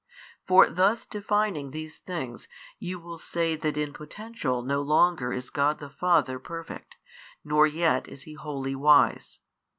For thus defining these things you will say that in potential no longer is God the Father Perfect, nor yet is He wholly Wise.